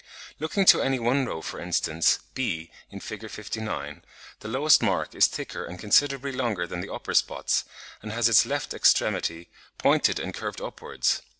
Looking to any one row, for instance, B, in Fig. 59, the lowest mark (b) is thicker and considerably longer than the upper spots, and has its left extremity pointed and curved upwards.